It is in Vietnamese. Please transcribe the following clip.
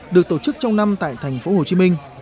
được tổ chức trong năm tại thành phố hồ chí minh